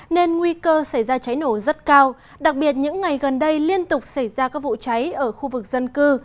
nên nguy cơ xảy ra cháy nổ rất cao đặc biệt những ngày gần đây liên tục xảy ra các vụ cháy ở khu vực dân cư